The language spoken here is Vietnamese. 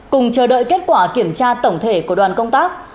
cùng chờ đợi kết quả kiểm tra tổng thể của đoàn công tác